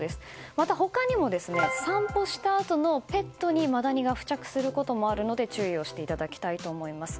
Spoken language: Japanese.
また、他にも散歩したあとのペットにマダニが付着することもあるので注意をしていただきたいと思います。